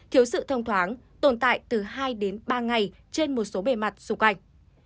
thiếu sự thông thoáng tồn tại từ hai đến ba ngày trên một số bề mặt xung quanh